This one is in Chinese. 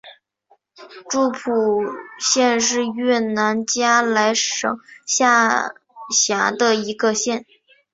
诸蒲县是越南嘉莱省下辖的一个县。